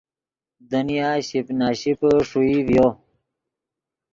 دنیا شیپ نا شیپے ݰوئی ڤیو